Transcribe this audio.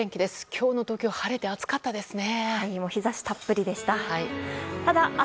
今日の東京は晴れて暑かったですね。